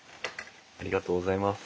ありがとうございます。